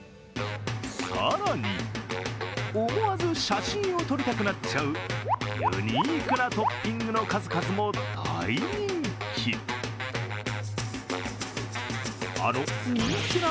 更に、思わず写真を撮りたくなっちゃうユニークなトッピングの数々も大人気。